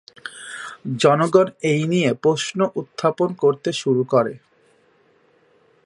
জনগণ এই নিয়ে প্রশ্ন উত্থাপন করতে শুরু করে।